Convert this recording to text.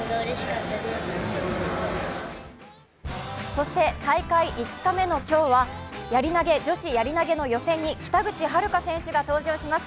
そして大会５日目の今日は女子やり投の予選に北口榛花選手が登場します。